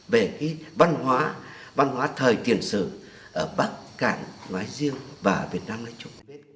về cái văn hóa văn hóa thời tiền sử ở bắc cạn ngoái diêu